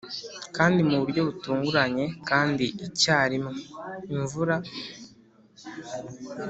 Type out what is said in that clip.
kandi mu buryo butunguranye, kandi icyarimwe, imvura!